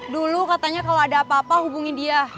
dulu katanya kalau ada apa apa hubungin dia